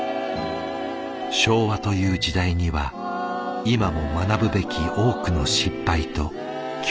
昭和という時代には今も学ぶべき多くの失敗と教訓がある。